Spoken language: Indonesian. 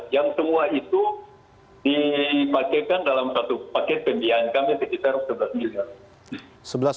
yang semua itu dipakai kan dalam satu paket pendidikan kami sekitar sebelas miliar